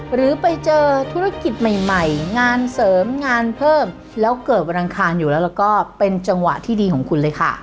หรือไปเจอธุรกิจใหม่งานเสริมงานเพิ่มแล้วเกิดวันอังคารอยู่แล้วแล้วก็เป็นจังหวะที่ดีของคุณเลยค่ะ